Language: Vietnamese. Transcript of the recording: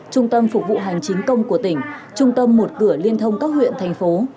trung tâm phục vụ hành chính công của tỉnh trung tâm một cửa liên thông các huyện thành phố